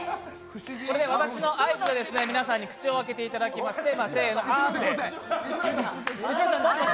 私の合図で皆さんに口を開けていただいて、せーの、あーんで。